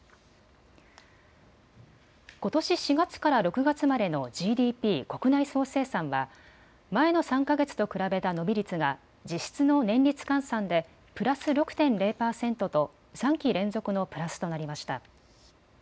ことし４月から６月までのＧＤＰ・国内総生産は前の３か月と比べた伸び率が実質の年率換算でプラス６．０％と３期連続のプラスとなりました。